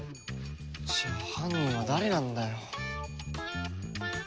じゃあ犯人は誰なんだよ。